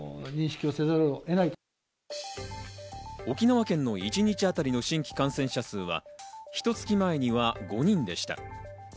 沖縄県の一日当たりの新規感染者数はひと月前には５人でした。